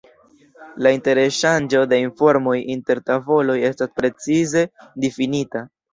La interŝanĝo de informoj inter tavoloj estas precize difinita.